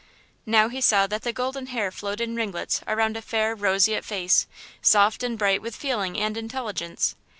Now he saw that the golden hair flowed in ringlets around a fair, roseate face, soft and bright with feeling and intelligence.